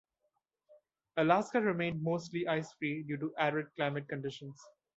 Alaska remained mostly ice free due to arid climate conditions.